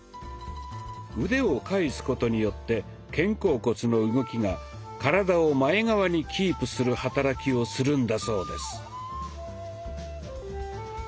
腕を返すことによって肩甲骨の動きが体を前側にキープする働きをするんだそうです。